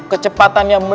dalam hidupnya dkhana